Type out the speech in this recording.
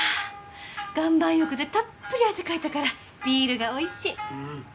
岩盤浴でたっぷり汗かいたからビールが美味しい。